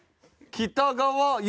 北川悠